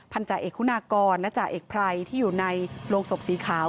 พันธาเอกฮุนากรนักฐาเอกพรรย์ที่อยู่ในโรงศพสีขาว